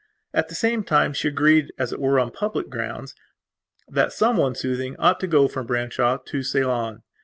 At the same time she agreed, as it were, on public grounds, that someone soothing ought to go from Branshaw to Ceylon.